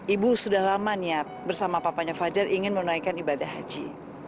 ibu sudah lama niat bersama papanya fajar ingin menunaikan ibadah haji